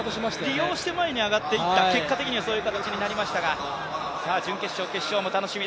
利用して前に進んでいった、結果的にはそうなりましたが準決勝、決勝も楽しみ。